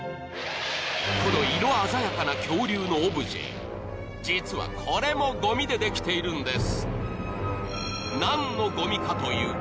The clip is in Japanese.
この色鮮やかな恐竜のオブジェ、実はこれもごみでできているんです。